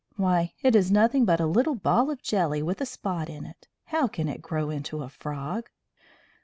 "Why, it is nothing but a little ball of jelly with a spot in it. How can it grow into a frog?"